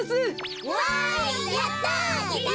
わいやった！